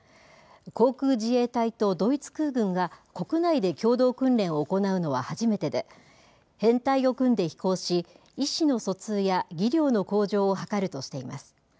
航空自衛隊とドイツ空軍が国内で共同訓練を行うのは初めてで、編隊を組んで飛行し、意思の疎通や技量の向上を図るとしています。